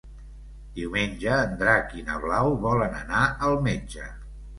Diumenge en Drac i na Blau volen anar al metge.